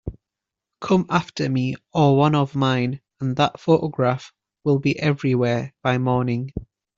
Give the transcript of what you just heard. Come after me or one of mine, and that photograph will be everywhere by morning.